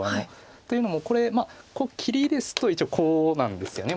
というのもこれ切りですと一応コウなんですよね。